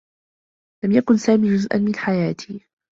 لم يكن سامي جزءا من حياتي.